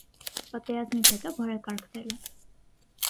Պատերազմից հետո բարեկարգվել է։